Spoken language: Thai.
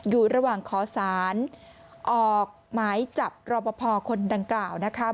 อยู่ระหว่างขอสารออกหมายจับรอปภคนดังกล่าวนะคะ